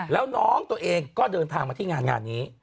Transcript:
แล้วน้องตัวเองก็เดินทางมาที่งานงานนี้